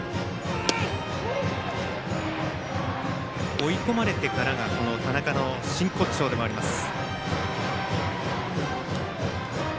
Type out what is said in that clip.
追い込まれてからが田中の真骨頂でもあります。